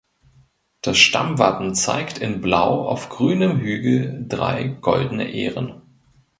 Das Stammwappen zeigt in Blau auf grünem Hügel drei goldene Ähren.